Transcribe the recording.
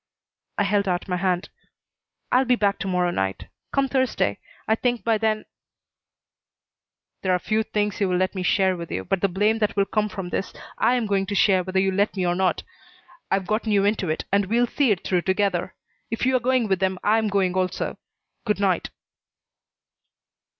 I held out my hand. "I'll be back to morrow night. Come Thursday. I think by then " "There are few things you will let me share with you, but the blame that will come from this I am going to share whether you let me or not. I've gotten you into it and we'll see it through together. If you are going with them, I am going also. Good night."